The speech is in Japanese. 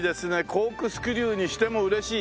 コークスクリューにしても嬉しい。